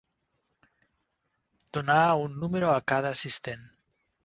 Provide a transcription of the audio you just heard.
Donar un número a cada assistent.